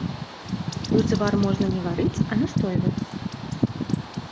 Узвар можна не варыць, а настойваць.